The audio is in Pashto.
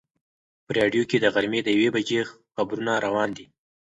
په راډیو کې د غرمې د یوې بجې خبرونه روان دي.